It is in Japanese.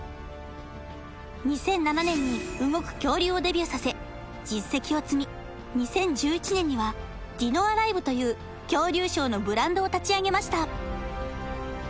２００７年に動く恐竜をデビューさせ実績を積み２０１１年にはディノアライブという恐竜ショーのブランドを立ち上げました